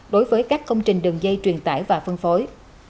đối với các công trình đường dây truyền tải và phân phối